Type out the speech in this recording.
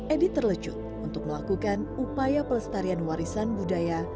edi terlejut untuk melakukan upaya pelestarian warisan budaya